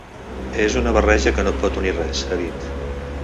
És una barreja que no pot unir res, ha dit.